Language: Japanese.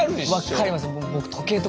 分かります。